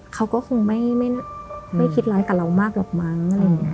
เขาก็คงไม่คิดร้ายกับเรามากหรอกมั้ง